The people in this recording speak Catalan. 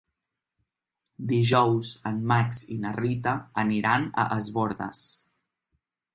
Dijous en Max i na Rita aniran a Es Bòrdes.